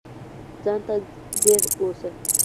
ځان ته ځیر اوسه